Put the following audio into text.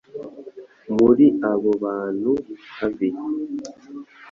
muri abo bantu babi.